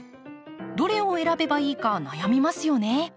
どれを選べばいいか悩みますよね。